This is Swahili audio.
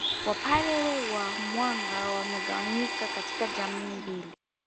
Wapare wa Mwanga wamegawanyika katika jamii mbili